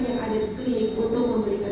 yang ada di twit untuk memberikan